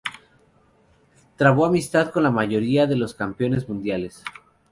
Trabó amistad con la mayoría de los campeones mundiales.